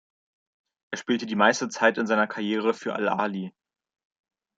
Er spielte die meiste Zeit seiner Karriere für Al-Ahli.